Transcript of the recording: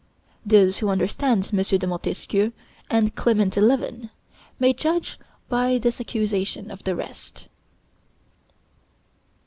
Those who understand M. de Montesquieu and Clement XI. may judge, by this accusation, of the rest.